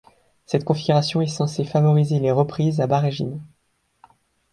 Cette configuration est censée favoriser les reprises à bas régime.